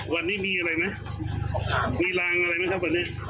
วันนี้มีอะไรไหมมีรางอะไรไหมครับวันนี้